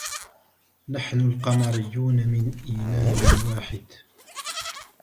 نحن القمريون من إيمانٍ واحد.